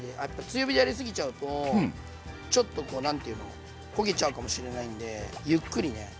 強火でやり過ぎちゃうとちょっとこう何て言うの焦げちゃうかもしれないんでゆっくりね。